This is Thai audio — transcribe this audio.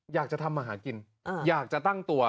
อยากจะทำมาหากินอยากจะตั้งตัว